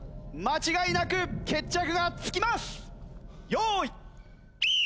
用意。